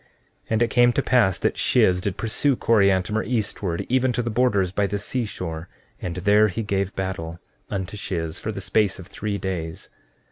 14:26 And it came to pass that Shiz did pursue Coriantumr eastward, even to the borders by the seashore, and there he gave battle unto Shiz for the space of three days.